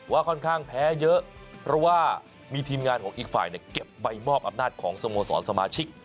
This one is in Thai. ค่อนข้างแพ้เยอะเพราะว่ามีทีมงานของอีกฝ่ายเนี่ยเก็บใบมอบอำนาจของสโมสรสมาชิก